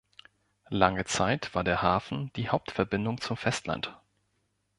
Lange Zeit war der Hafen die Hauptverbindung zum Festland.